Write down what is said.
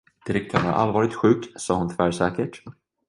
Direktörn är allvarligt sjuk, sade hon tvärsäkert.